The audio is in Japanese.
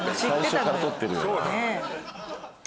最初から撮ってるよな。